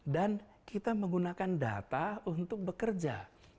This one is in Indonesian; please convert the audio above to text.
dan kita menggunakan data untuk bekerja